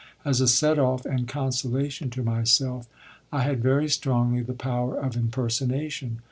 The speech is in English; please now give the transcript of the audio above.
As a set off and consolation to myself I had very strongly the power of impersonation.